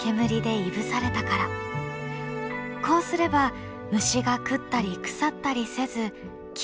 こうすれば虫が食ったり腐ったりせず木が長もちする。